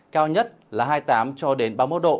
cao nhất là hai mươi tám ba mươi một độ